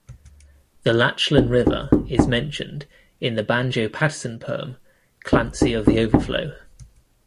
The Lachlan River is mentioned in the Banjo Paterson poem "Clancy of the Overflow".